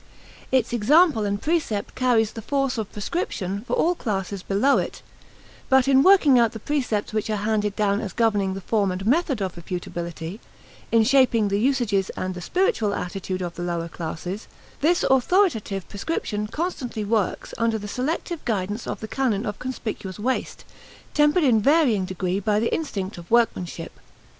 Its example and precept carries the force of prescription for all classes below it; but in working out the precepts which are handed down as governing the form and method of reputability in shaping the usages and the spiritual attitude of the lower classes this authoritative prescription constantly works under the selective guidance of the canon of conspicuous waste, tempered in varying degree by the instinct of workmanship.